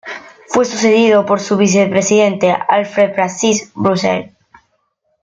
Fue sucedido por su vicepresidente, Alfred Francis Russell.